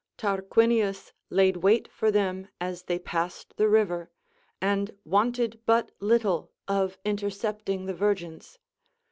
Tarquinius hiid wait for them as they passed tlie river, and wanted but Uttle of intercepting the virains.